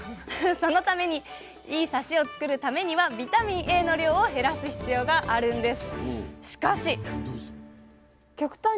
そのためにいいサシを作るためにはビタミンＡの量を減らす必要があるんです。